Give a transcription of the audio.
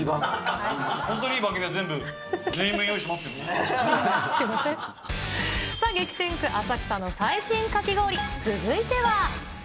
本当にいい番組は、激戦区、浅草の最新かき氷、続いては。